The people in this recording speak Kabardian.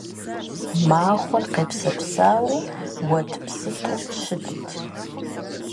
Махуэр къепсэпсауэу уэтӀпсытӀу щытт.